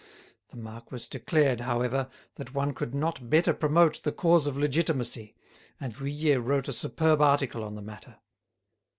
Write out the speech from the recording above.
The marquis declared, however, that one could not better promote the cause of legitimacy, and Vuillet wrote a superb article on the matter.